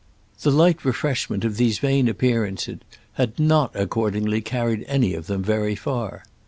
The light refreshment of these vain appearances had not accordingly carried any of them very far.